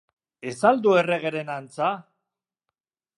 Ez al du erregeren antza?